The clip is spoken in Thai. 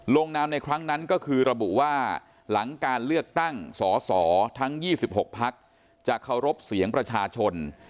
นามในครั้งนั้นก็คือระบุว่าหลังการเลือกตั้งสสทั้ง๒๖พักจะเคารพเสียงประชาชน